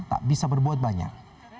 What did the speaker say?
tak bisa berbuat banyak